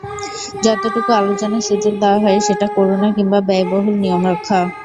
যতটুকু আলোচনার সুযোগ দেওয়া হয়, সেটা করুণা কিংবা ব্যয়বহুল নিয়ম রক্ষা।